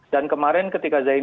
dan kemarin ketika